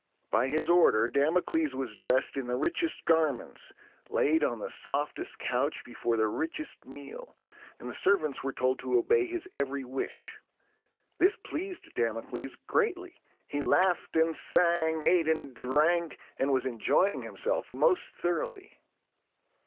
By his order, Damocles was dressed in the richest garments, laid on the softest couch before the richest meal, and the servants were told to obey his every wish. This pleased Damocles greatly. He laughed and sang, ate and drank, and was enjoying himself most thoroughly.